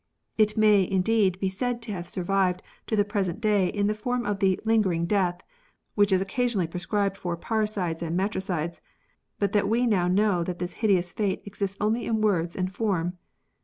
It may, indeed, be said to have survived to the present day in the form of the lingering death " which is occasionally prescribed for parricides and matricides, but that we now know that this hideous fate exists only in words and form.